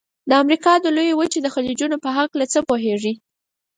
د امریکا د لویې وچې د خلیجونو په هلکه څه پوهیږئ؟